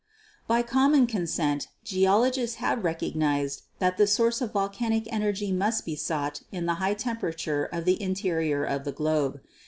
By common consent geologists have recognised that the source of volcanic energy must be sought in the high tem perature of the interior of the globe.